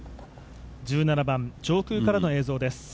１７番、上空からの映像です。